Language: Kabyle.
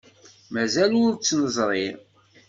Mazal ur tt-neẓri.